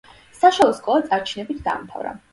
საშუალო სკოლა წარჩინებით დაამთავრა.